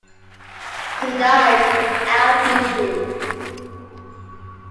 He died without issue.